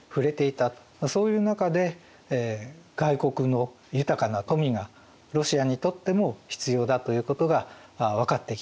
そういう中で外国の豊かな富がロシアにとっても必要だということが分かってきた。